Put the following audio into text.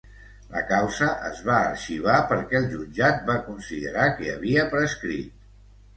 La causa es va arxivar perquè el jutjat va considerar que havia prescrit.